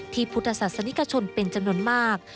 พุทธศาสนิกชนเป็นจำนวนมาก